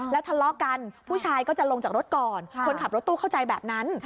แล้วทะเลาะกันผู้ชายก็จะลงจากรถก่อนคนขับรถตู้เข้าใจแบบนั้น